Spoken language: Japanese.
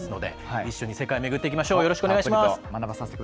一緒に世界を巡っていきましょう。